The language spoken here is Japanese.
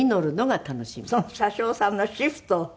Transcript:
その車掌さんのシフトを。